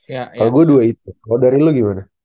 kalau gue dua itu kalau dari lo gimana